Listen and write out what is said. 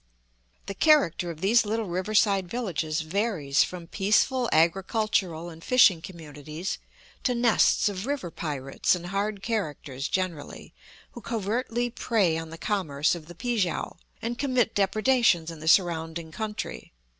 The character of these little riverside villages varies from peaceful agricultural and fishing communities, to nests of river pirates and hard characters generally, who covertly prey on the commerce of the Pi kiang, and commit depredations in the surrounding country.